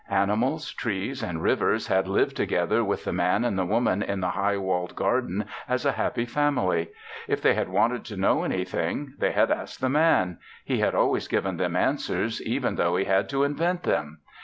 Animals, trees and rivers had lived together with the Man and the Woman in the high walled garden as a happy family. If they had wanted to know anything, they had asked the Man; he had always given them answers, even though he had to invent them.